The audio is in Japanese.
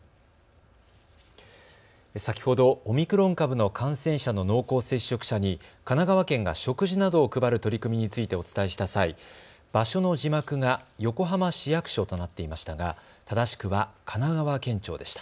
先ほどオミクロン株の感染者の濃厚接触者に神奈川県が食事などを配る取り組みについてお伝えした際、場所の字幕が横浜市役所となっていましたが正しくは神奈川県庁でした。